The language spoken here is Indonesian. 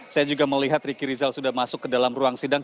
saya juga melihat ricky rizal sudah masuk ke dalam ruang sidang